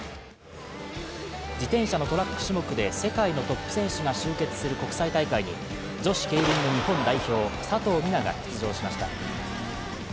自転車のトラック種目で世界のトップ選手が集結する国際大会に女子ケイリンの日本代表佐藤水菜が出場しました。